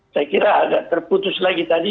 saya kira agak terputus lagi tadi